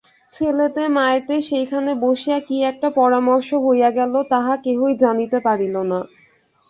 ছেলেতে মায়েতে সেইখানে বসিয়া কী একটা পরামর্শ হইয়া গেল তাহা কেহই জানিতে পারিল না।